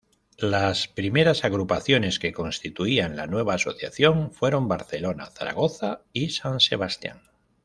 Las primeras agrupaciones que constituían la nueva asociación fueron Barcelona, Zaragoza y San Sebastián.